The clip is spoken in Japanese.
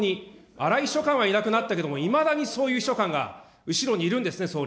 荒井秘書官はいなくなったけど、いまだにそういう秘書官が後ろにいるんですね、総理。